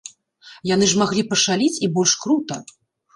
Яны ж маглі пашаліць і больш крута.